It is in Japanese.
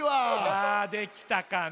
さあできたかな？